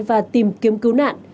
và tìm kiếm cứu nạn